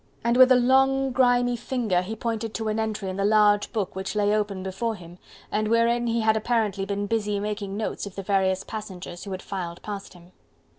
And with long, grimy finger he pointed to an entry in the large book which lay open before him, and wherein he had apparently been busy making notes of the various passengers who had filed past him.